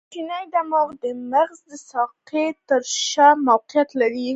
کوچنی دماغ د مغز د ساقې تر شا موقعیت لري.